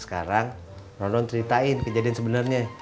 sekarang non ceritain kejadian sebenarnya